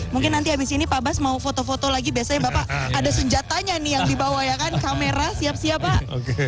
mungkin nanti habis ini pak bas mau foto foto lagi biasanya bapak ada senjatanya nih yang dibawa ya kan kamera siap siap pak